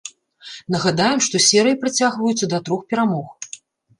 Нагадаем, што серыі працягваюцца да трох перамог.